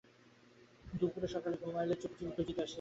দুপুরে সকলে ঘুমাইলে চুপিচুপি খুঁজিতে আসিয়াছে।